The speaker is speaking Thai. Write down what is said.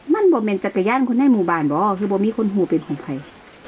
มันเป็นจักรยานคุณให้หมู่บ้านเหรอคือไม่มีคนหัวเป็นของใคร